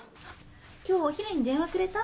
今日お昼に電話くれた？